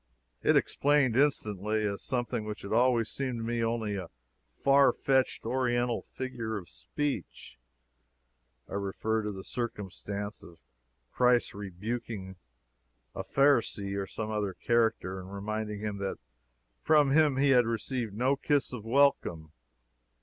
It explained instantly a something which had always seemed to me only a farfetched Oriental figure of speech. I refer to the circumstance of Christ's rebuking a Pharisee, or some such character, and reminding him that from him he had received no "kiss of welcome."